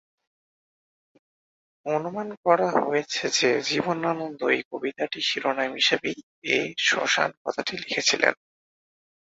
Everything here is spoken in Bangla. অনুমান করা হয়েছে যে জীবনানন্দ এ কবিতাটির শিরোনাম হিসেবেই এ ‘শ্মশান’ কথাটি লিখেছিলেন।